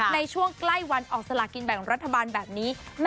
ในช่วงใกล้วันออกสลากินแบ่งรัฐบาลแบบนี้